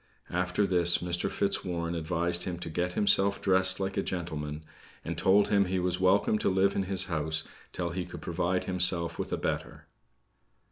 After this, Mr. Fitzwarren advised him to get himself dressed like a gentleman; and told him he was welcome to live in his house till he could provide himself with a better.